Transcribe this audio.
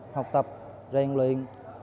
học tập rèn luyện